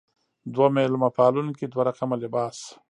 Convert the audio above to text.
دوه مېلمه پالونکې دوه رقمه لباس.